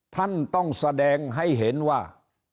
ท่านต้องแสดงให้เห็นว่า